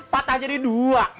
patah jadi dua